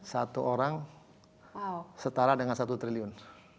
satu orang setara dengan satu triliun